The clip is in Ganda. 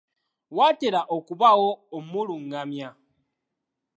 Watera okubaawo omulungamya.